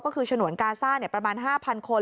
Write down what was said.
ก็คือฉนวนกาซ่าเนี่ยประมาณห้าพันคน